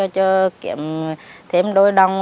cho kiếm thêm đôi đồng